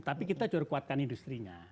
tapi kita juga kuatkan industri nya